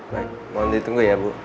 baik mohon ditunggu ya bu